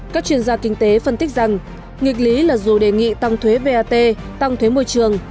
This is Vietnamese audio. các chuyên gia kinh tế phân tích rằng nghịch lý là dù đề nghị tăng thuế vat tăng thuế môi trường